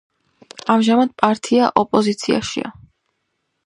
ამჟამად პარტია ოპოზიციაშია.